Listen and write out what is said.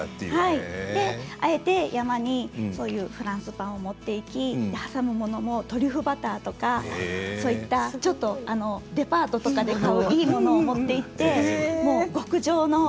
あえて山にフランスパンを持っていき挟むものもトリュフバターとかちょっとデパートで買うようないいものを持っていって極上の。